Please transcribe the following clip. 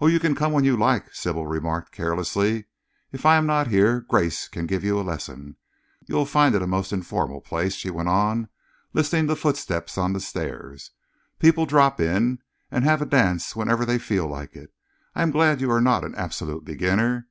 "Oh, you can come when you like," Sybil remarked carelessly. "If I am not here, Grace can give you a lesson. You will find it a most informal place," she went on, listening to footsteps on the stairs. "People drop in and have a dance whenever they feel like it. I am glad you are not an absolute beginner.